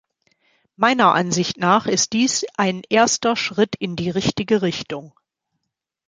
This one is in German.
Meiner Ansicht nach ist dies ein erster Schritt in die richtige Richtung.